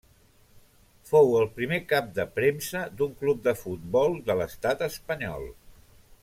Fou el primer cap de premsa d'un club de futbol de l'estat espanyol.